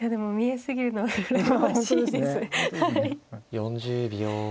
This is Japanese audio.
４０秒。